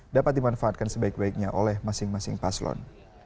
dapat dimanfaatkan sebaik baiknya oleh masing masing paslon